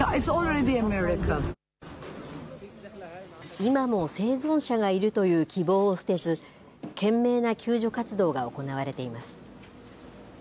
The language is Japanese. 今も生存者がいるという希望を捨てず、懸命な救助活動が行われています。